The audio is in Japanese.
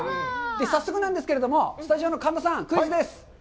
早速なんですけれども、スタジオの神田さん、クイズです！